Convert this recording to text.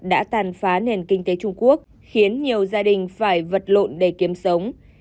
đã tàn phá nền kinh tế trung quốc khiến nhiều gia đình phải vật lộn để kiếm sống